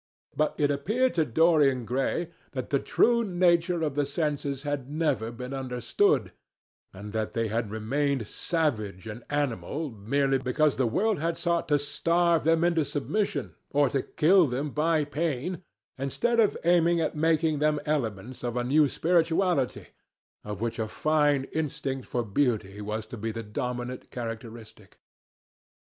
But it appeared to Dorian Gray that the true nature of the senses had never been understood, and that they had remained savage and animal merely because the world had sought to starve them into submission or to kill them by pain, instead of aiming at making them elements of a new spirituality, of which a fine instinct for beauty was to be the dominant characteristic.